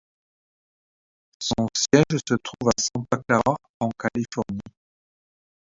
Son siège se trouve à Santa Clara en Californie.